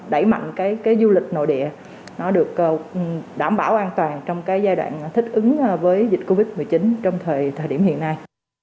đẩy mạnh cái du lịch nội địa nó được đảm bảo an toàn trong cái giai đoạn thích ứng với dịch covid một mươi chín trong thời điểm hiện nay